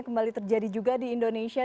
kembali terjadi juga di indonesia